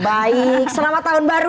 baik selamat tahun baru